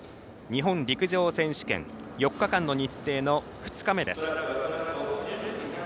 日本陸上選手権４日間の日程の２日目です。